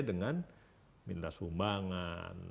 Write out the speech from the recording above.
dengan minta sumbangan